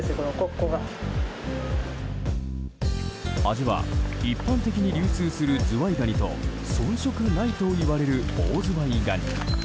味は一般的に流通するズワイガニと遜色ないといわれるオオズワイガニ。